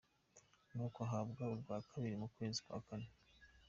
Nuko ahabwa urwa kabiri mu kwezi kwa kane.